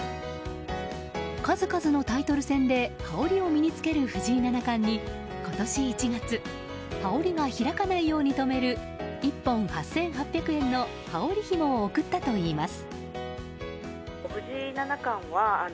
数々のタイトル戦で羽織を身に着ける藤井七冠に今年１月羽織が開かないように留める１本８８００円の羽織ひもを贈ったといいます。